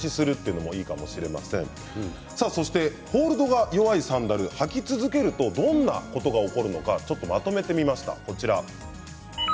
そして、ホールドが弱いサンダルを履き続けるとどんなことから起こるのかまとめてみました。